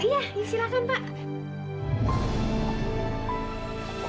iya silakan pak